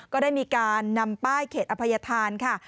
ก็ได้มีการนำป้ายเขตอภัยธานค่ะ